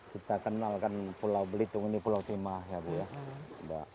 kita kenalkan pulau belitung ini pulau timah ya bu ya